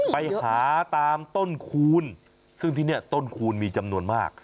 ไปหาตามต้นคูณซึ่งที่นี่ต้นคูณมีจำนวนมาก